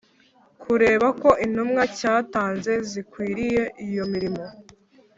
Kureba ko intumwa cyatanze zikwiriye iyo mirimo